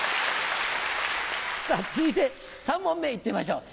さぁ続いて３問目行ってみましょう。